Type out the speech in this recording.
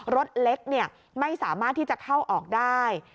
รถเล็กไม่สามารถที่จะเข้าออกได้